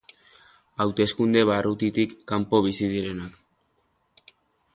Hauteskunde-barrutitik kanpo bizi direnak.